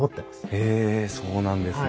へえそうなんですね。